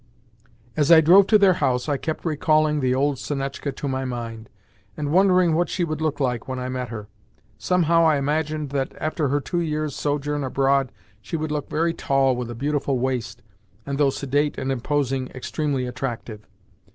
As I drove to their house, I kept recalling the old Sonetchka to my mind, and wondering what she would look like when I met her. Somehow I imagined that, after her two years' sojourn abroad, she would look very tall, with a beautiful waist, and, though sedate and imposing, extremely attractive.